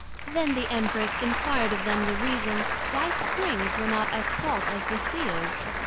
Then the Empress enquired of them the reason, Why Springs were not as salt as the Sea is?